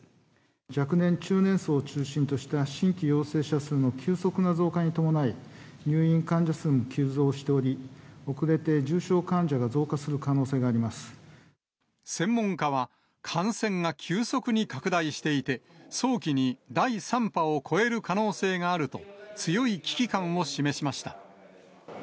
若年・中年層を中心とした新規陽性者数の急速な増加に伴い、入院患者数も急増しており、遅れて重症患者が増加する可能性専門家は、感染が急速に拡大していて、早期に第３波を超える可能性があると、強い危機感を示しました。